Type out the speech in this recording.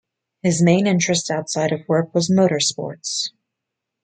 His main interest outside work was motor sports.